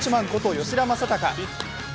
吉田正尚。